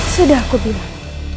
sudah aku bilang